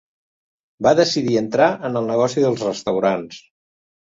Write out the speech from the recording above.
Va decidir entrar en el negoci dels restaurants.